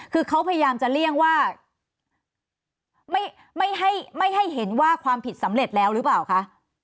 คือเขาพยายามจะเลี่ยงว่าไม่ให้เห็นว่าความผิดสำเร็จแล้วหรือเปล่าคะ